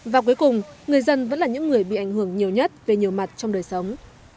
và cuối cùng người dân vẫn là những người bị ảnh hưởng nhiều nhất về nhiều mặt trong đời sống